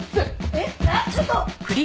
えっちょっと！